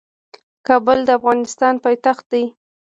کابل د افغانستان پايتخت دي.